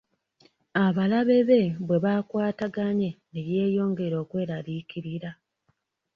Abalabe be bwe bakwataganye ne yeeyongera okweraliikirira.